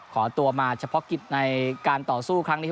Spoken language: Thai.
ขอตัวมาเฉพาะกิจในการต่อสู้ครั้งนี้